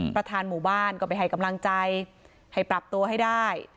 ประธานหมู่บ้านก็ไปให้กำลังใจให้ปรับตัวให้ได้